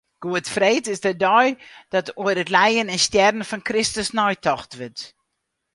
Goedfreed is de dei dat oer it lijen en stjerren fan Kristus neitocht wurdt.